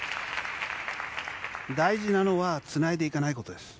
大事なのはつないでいかないことです。